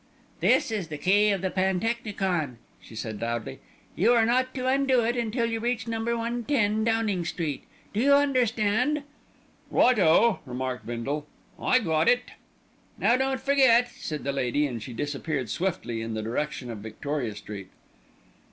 "This is the key of the pantechnicon," she said loudly. "You are not to undo it until you reach Number 110, Downing Street. Do you understand?" "Right o!" remarked Bindle, "I got it." "Now don't forget!" said the lady, and she disappeared swiftly in the direction of Victoria Street.